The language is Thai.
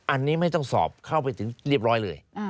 อันนี้ไม่ต้องสอบเข้าไปถึงเรียบร้อยเลย